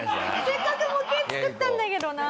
せっかく模型作ったんだけどな。